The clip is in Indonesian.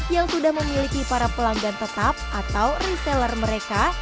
yang sudah memiliki para pelanggan tetap atau reseller mereka